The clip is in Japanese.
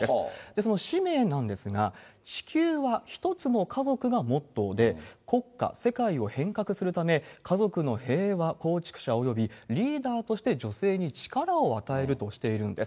その使命なんですが、地球は一つの家族がモットーで、国家・世界を変革するため、家族の平和構築者およびリーダーとして女性に力を与えるとしているんです。